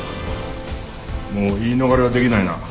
もう言い逃れはできないな。